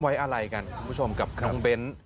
ไว้อะไรกันคุณผู้ชมกับน้องเบ้น